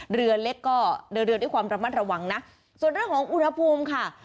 เรือเล็กก็เดินเรือด้วยความระมัดระวังนะส่วนเรื่องของอุณหภูมิค่ะ